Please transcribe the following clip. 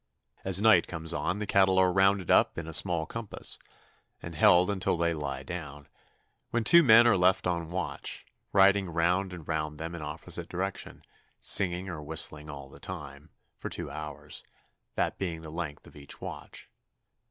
As night comes on the cattle are rounded up in a small compass, and held until they lie down, when two men are left on watch, riding round and round them in opposite directions, singing or whistling all the time, for two hours, that being the length of each watch.